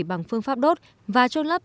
bằng phương pháp đốt và trôn lấp